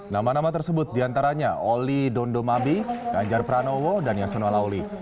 nama nama tersebut diantaranya oli dondomabi ganjar pranowo dan yasona lauli